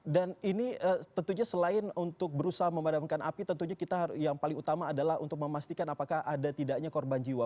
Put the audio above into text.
dan ini tentunya selain untuk berusaha memadamkan api tentunya kita yang paling utama adalah untuk memastikan apakah ada tidaknya korban jiwa